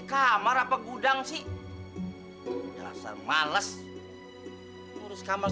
kayaknya aku udah stant tony sama bung nama bung